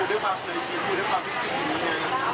ถ้าดูว่ามันได้ถือถูกแล้วถือเวลาคือก็ต้องเต้น